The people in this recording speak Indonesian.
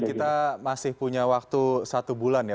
kita masih punya waktu satu bulan ya